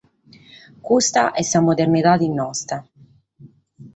Custa est sa modernidade nostra.